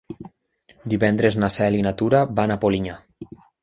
Divendres na Cel i na Tura van a Polinyà.